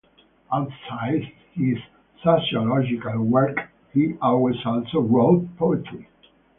Outside his sociological work he always also wrote poetry.